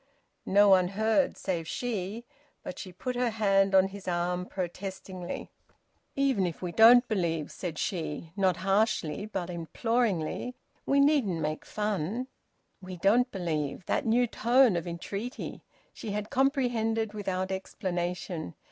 No one heard save she. But she put her hand on his arm protestingly. "Even if we don't believe," said she not harshly, but imploringly, "we needn't make fun." "We don't believe!" And that new tone of entreaty! She had comprehended without explanation.